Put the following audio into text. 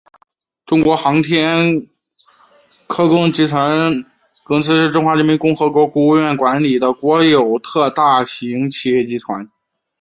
中国航天科工集团公司是中华人民共和国国务院管理的国有特大型企业集团。